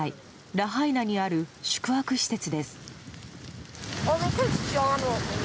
ラハイナにある宿泊施設です。